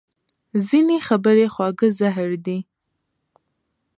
ځینې خبرې خواږه زهر دي